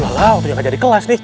lala waktu yang ngajar di kelas nih